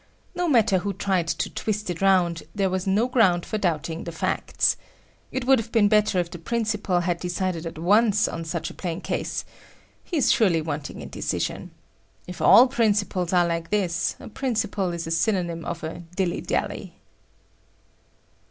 No matter who tried to twist it round, there was no ground for doubting the facts. It would have been better if the principal had decided at once on such a plain case; he is surely wanting in decision. If all principals are like this, a principal is a synonym of a "dilly dally."